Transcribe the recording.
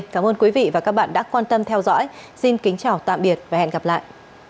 cảm ơn các bạn đã theo dõi và hẹn gặp lại